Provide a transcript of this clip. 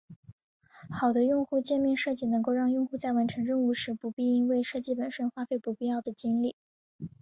好的用户界面设计能够让用户在完成任务时不必因为设计本身花费不必要的精力。